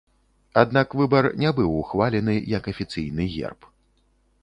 Аднак, выбар не быў ухвалены як афіцыйны герб.